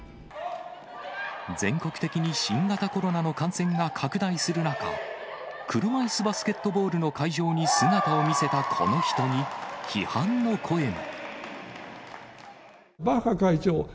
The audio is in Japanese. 全国的に新型コロナの感染が拡大する中、車いすバスケットボールの会場に姿を見せたこの人に、批判の声も。